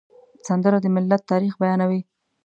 سندره د ملت تاریخ بیانوي